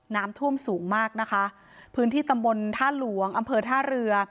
น้ำท่วมสูงมากนะคะพื้นที่ตำบลท่าหลวงอำเภอท่าเรือ